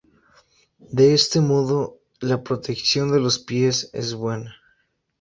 De este modo, la protección de los pies es buena.